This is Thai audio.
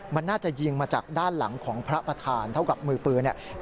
มันน่าจะยิงมาจากด้านหลังของพระประธานเท่ากับมือปืนเนี่ย